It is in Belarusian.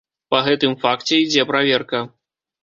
Па гэтым факце ідзе праверка.